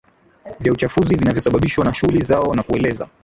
vya uchafuzi vinavyosababishwa na shughuli zao na kueleza